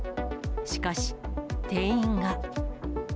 しかし、店員が。